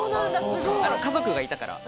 家族がいたから。